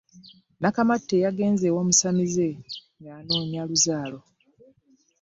Nakamate yagenze ew'omusamize ng'anoonya luzaalo.